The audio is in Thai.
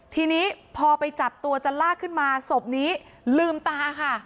ทีนี้พอไปจับตัวจะลากขึ้นมาศพนี้ลืมตาค่ะ